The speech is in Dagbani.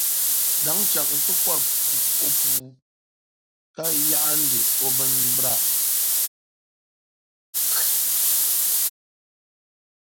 daa chaŋ n ti kɔri o puu, ka yaɣindi o bimbira.